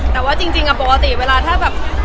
แต่ว่าจริงปกติเวลาถ้าแบบ